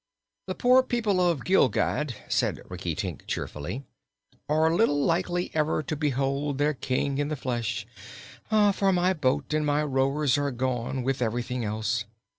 "The poor people of Gilgad," said Rinkitink cheerfully, "are little likely ever again to behold their King in the flesh, for my boat and my rowers are gone with everything else.